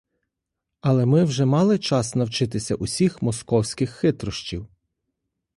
Але ми вже мали час навчитися усіх московських хитрощів.